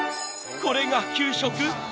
［これが給食？］